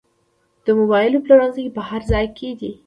د موبایل پلورنځي په هر ځای کې دي